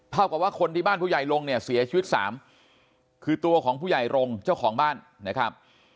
เท่ากับว่าคนที่บ้านผู้ใหญ่ลงเนี่ยเสียชีวิตสามคือตัวของผู้ใหญ่รงค์เจ้าของบ้านนะครับ